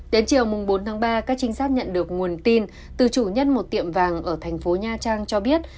đến chiều bốn tháng ba các trinh sát nhận được nguồn tin từ chủ nhân một tiệm vàng ở thành phố nha trang cho biết